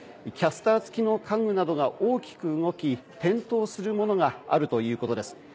キャスター付きの家具などが大きく動き、転倒するものがあるということです。